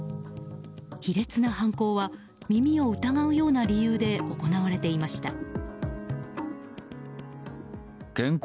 卑劣な犯行は耳を疑うような理由で行われていました。